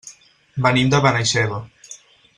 Venim de Benaixeve.